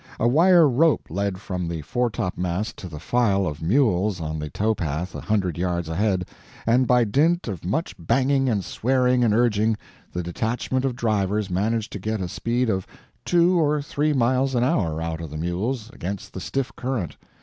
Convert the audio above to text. A wire rope led from the foretopmast to the file of mules on the tow path a hundred yards ahead, and by dint of much banging and swearing and urging, the detachment of drivers managed to get a speed of two or three miles an hour out of the mules against the stiff current.